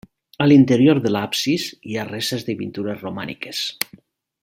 A l'interior de l'absis hi ha restes de pintures romàniques.